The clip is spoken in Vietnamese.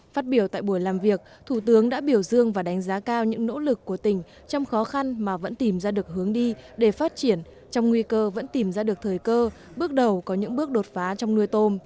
phát biểu tại buổi làm việc thủ tướng đã biểu dương và đánh giá cao những nỗ lực của tỉnh trong khó khăn mà vẫn tìm ra được hướng đi để phát triển trong nguy cơ vẫn tìm ra được thời cơ bước đầu có những bước đột phá trong nuôi tôm